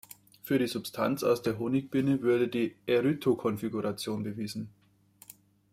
Für die Substanz aus der Honigbiene wurde die -"erythro"-Konfiguration bewiesen.